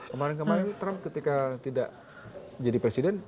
kemarin kemarin trump ketika tidak jadi presiden